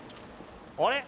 あれ？